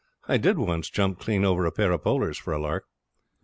I did once jump clean over a pair of polers for a lark.